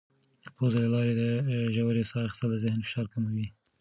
د پوزې له لارې د ژورې ساه اخیستل د ذهن فشار کموي.